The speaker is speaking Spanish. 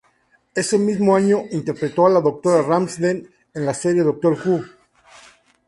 Ese mismo año interpretó a la doctora Ramsden en la serie "Doctor Who".